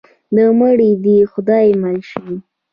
د مړو دې خدای مل شي.